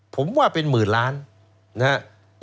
ผมว่าเป็นหมื่นล้านนะครับ